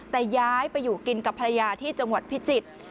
แต่ย้ายไปอยู่กินกับภรรยาที่จังหวัดพิจิตร